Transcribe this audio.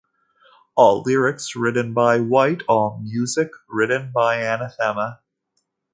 All lyrics written by White, all music written by Anathema.